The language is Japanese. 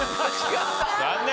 残念。